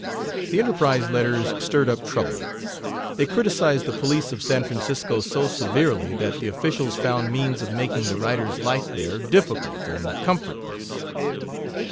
The Enterprise letters stirred up trouble. They criticized the police of San Francisco so severely that the officials found means of making the writer's life there difficult and comfortless.